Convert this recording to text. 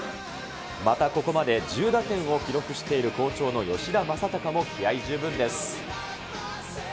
またここまで１０打点を記録している、好調の吉田正尚も気合十分です。